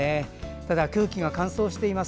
ただ、空気が乾燥しています。